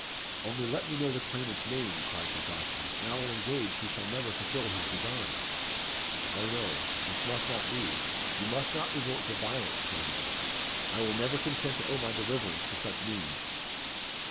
"Only let me know the claimant's name," cried Sir Jocelyn, "and I will engage he shall never fulfill his design." "O no; this must not be you must not resort to violence," said Aveline. "I will never consent to owe my deliverance to such means."